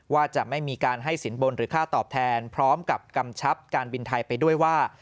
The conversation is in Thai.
ว่าจะไม่มีการให้สินบนหรือค่าตอบแทนพร้อมกับกำชับการบินไทยไปด้วยว่า